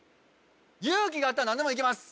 勇気があったら何でもいけます！